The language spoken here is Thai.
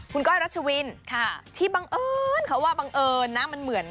คุณก้อยรัชวินที่บังเอิญเขาว่าบังเอิญนะมันเหมือน